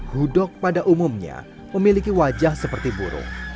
hudok pada umumnya memiliki wajah seperti burung